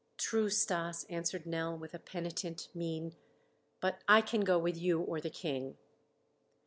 "True, Stas," answered Nell with a penitent mien, "but I can go with you or the King."